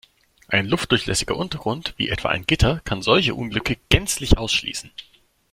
Ein luftdurchlässiger Untergrund, wie etwa ein Gitter, kann solche Unglücke gänzlich ausschließen.